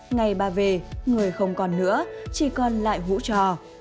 ngày ba về người không còn nữa chỉ còn lại hũ trò